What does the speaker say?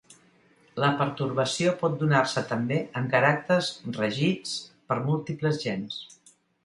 La pertorbació pot donar-se també en caràcters regits per múltiples gens.